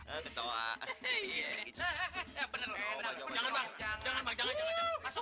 ibu ibu suami ibu ibu itu sebetulnya mau